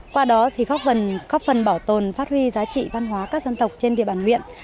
qua đó thì góp phần bảo tồn phát huy giá trị văn hóa các dân tộc trên địa bàn nguyện